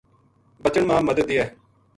بچن ما مدد دیئے